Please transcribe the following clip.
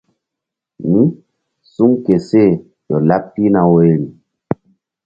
Mí suŋ ke seh ƴo laɓ pihna woyri.